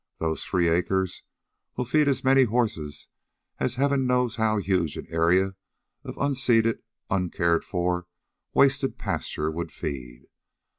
Those three acres will feed as many horses as heaven knows how huge an area of unseeded, uncared for, wasted pasture would feed.